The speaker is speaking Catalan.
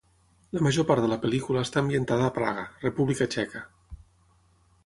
La major part de la pel·lícula està ambientada a Praga, República Txeca.